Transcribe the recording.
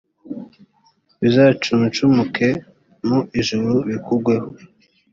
bizacunshumuke mu ijuru bikugweho,